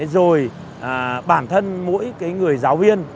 rồi bản thân mỗi cái người giáo viên